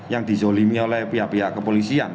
yang dizolimi oleh pihak pihak kepolisian